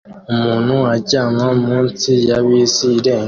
Umuntu aryama munsi ya bisi irenga